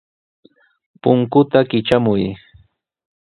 Punkuta kitramuy.